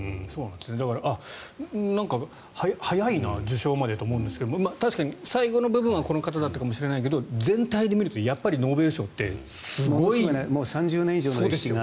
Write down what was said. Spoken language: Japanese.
だから、なんか早いな、受賞までと思うんですが確かに最後の部分はこの方だったかもしれないけど全体で見るとやっぱりノーベル賞ってすごい。